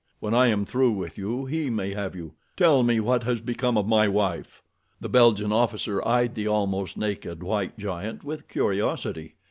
When I am through with you, he may have you. Tell me what has become of my wife." The Belgian officer eyed the almost naked, white giant with curiosity.